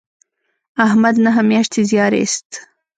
احمد نهه میاشتې زیار ایست.